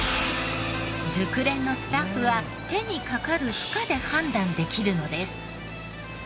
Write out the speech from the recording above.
熟練のスタッフは手にかかる負荷で判断できるのです。